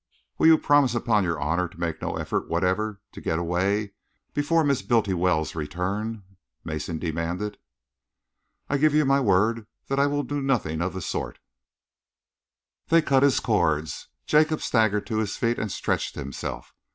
"Will you promise, upon your honour, to make no effort whatever to get away before Miss Bultiwell's return?" Mason demanded. "I give you my word that I will do nothing of the sort." They cut his cords. Jacob staggered to his feet and stretched himself.